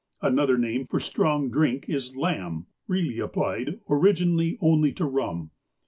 An other name for strong drink is "lamb," really applied originally only to rum.